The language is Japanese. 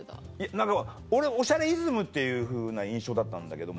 何か俺『おしゃれイズム』っていうふうな印象だったんだけども。